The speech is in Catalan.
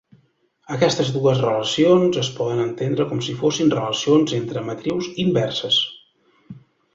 Aquestes dues relacions es poden entendre com si fossin relacions entre matrius inverses.